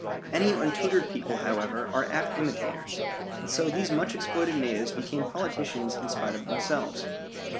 Any untutored people, however, are apt imitators, and so these much exploited natives become politicians in spite of themselves.